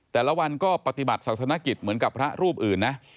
แต่ละวันก็ปฏิบัติศาสนกิจเหมือนกับพระรูปอื่นนะ